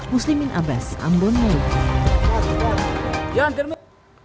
muslimin abbas ambon maluku